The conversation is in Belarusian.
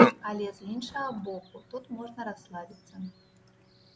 Але з іншага боку, тут можна расслабіцца.